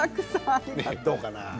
どうかな？